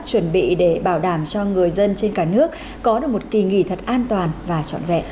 chuẩn bị để bảo đảm cho người dân trên cả nước có được một kỳ nghỉ thật an toàn và trọn vẹn